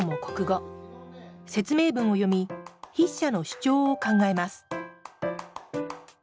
説明文を読み筆者の主張を考えます。